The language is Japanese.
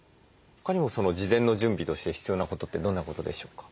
他にも事前の準備として必要なことってどんなことでしょうか？